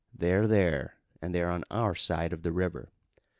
"They're there, and they're on our side of the river.